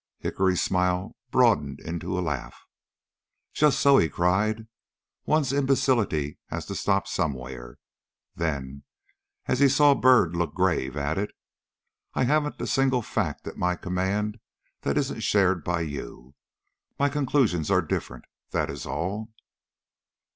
Hickory's smile broadened into a laugh. "Just so," he cried. "One's imbecility has to stop somewhere." Then, as he saw Byrd look grave, added: "I haven't a single fact at my command that isn't shared by you. My conclusions are different, that is all."